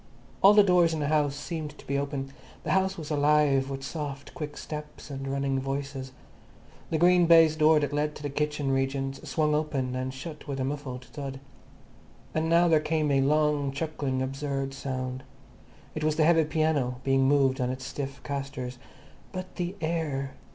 All the doors in the house seemed to be open. The house was alive with soft, quick steps and running voices. The green baize door that led to the kitchen regions swung open and shut with a muffled thud. And now there came a long, chuckling absurd sound. It was the heavy piano being moved on its stiff castors. But the air!